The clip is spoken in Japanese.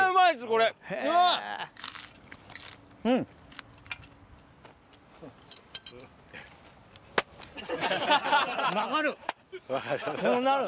こうなる。